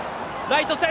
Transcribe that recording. ライト線。